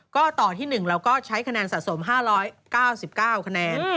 ก็ต่อที่๑เราก็ใช้คะแนนสะสม๕๙๙คะแนน